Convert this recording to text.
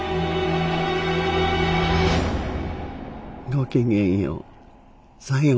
ごきげんよう。